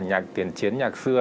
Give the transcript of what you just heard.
nhạc tiền chiến nhạc xưa